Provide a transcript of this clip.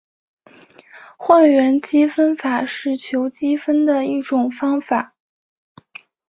换元积分法是求积分的一种方法。